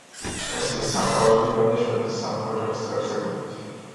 ეს სამკაულები დღემდე შვედეთის სამეფო ოჯახის წევრებს ეკუთვნით.